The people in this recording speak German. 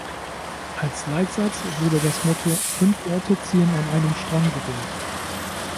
Als Leitsatz wurde das Motto „Fünf Orte ziehen an einem Strang“ gewählt.